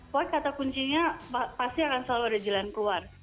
buat kata kuncinya pasti akan selalu ada jalan keluar